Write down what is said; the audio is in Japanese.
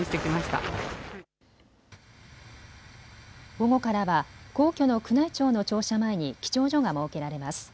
午後からは皇居の宮内庁の庁舎前に記帳所が設けられます。